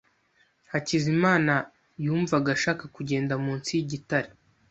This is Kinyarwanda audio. Hakizimana yumvaga ashaka kugenda munsi yigitare.